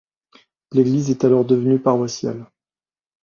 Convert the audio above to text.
L'église est alors devenue paroissiale.